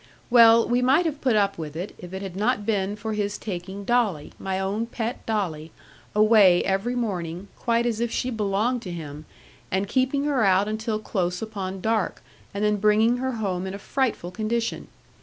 Well, we might have put up with it, if it had not been for his taking Dolly, my own pet Dolly, away every morning, quite as if she belonged to him, and keeping her out until close upon dark, and then bringing her home in a frightful condition.